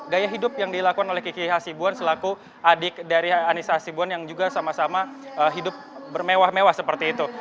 gaya hidup yang dilakukan oleh kiki hasibuan selaku adik dari anis hasibuan yang juga sama sama hidup bermewah mewah seperti itu